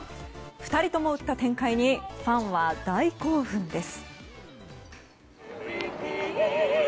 ２人とも打った展開にファンは大興奮です。